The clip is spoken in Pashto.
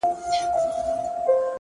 o د ژوند كولو د ريښتني انځور؛